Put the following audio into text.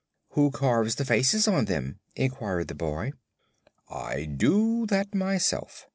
"Who carves the faces on them?" inquired the boy. "I do that myself.